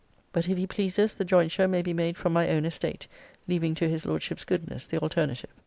'But, if he pleases, the jointure may be made from my own estate; leaving to his Lordship's goodness the alternative.'